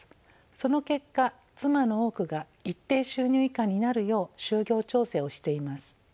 その結果妻の多くが一定収入以下になるよう就業調整をしています。